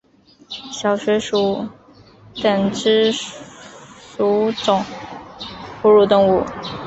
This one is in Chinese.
小水鼠属等之数种哺乳动物。